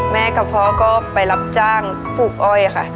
แม่กับพ่อก็ไปรับจ้างปลูกอ้อยค่ะ